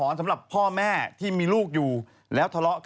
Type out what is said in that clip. นะฮะเสื้อพี่บทดำสวยมาก